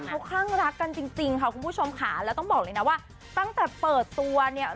เขาคลั่งรักกันจริงค่ะคุณผู้ชมค่ะแล้วต้องบอกเลยนะว่าตั้งแต่เปิดตัวเนี่ย